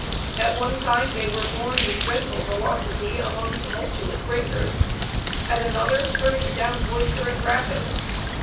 At one time they were borne with dreadful velocity among tumultuous breakers; at another, hurried down boisterous rapids.